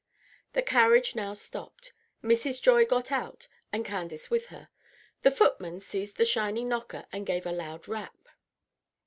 The carriage now stopped. Mrs. Joy got out, and Candace with her. The footman seized the shining knocker, and gave a loud rap.